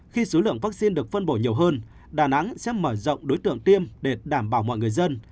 khi số lượng vaccine được phân bổ nhiều hơn đà nẵng sẽ mở rộng đối tượng tiêm để đảm bảo mọi người dân